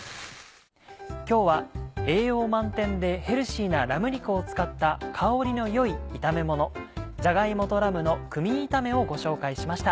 今日は栄養満点でヘルシーなラム肉を使った香りの良い炒めもの「じゃが芋とラムのクミン炒め」をご紹介しました。